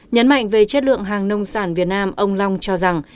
nhấn mạnh về chất lượng hàng nông sản việt nam ông long cho rằng